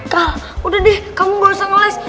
kak udah deh kamu gausah ngeles